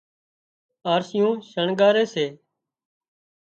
آرشيون شڻڳاري سي